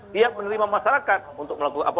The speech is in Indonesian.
dia menerima masyarakat untuk melakukan apa